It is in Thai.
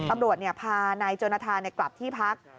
อำรวจเนี่ยพานายจนธากลับที่พัก